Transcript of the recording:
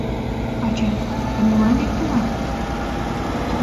Ачай, тый молан лектынат?